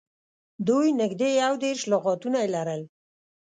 دوی نږدې یو دېرش لغاتونه یې لرل